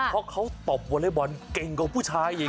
เพราะเขาตบวอเล็กบอลเก่งกว่าผู้ชายอีก